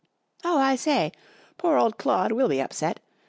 44 Oh, I say! Poor old Claude will be upset.